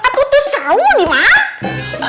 aku tuh sama si dimana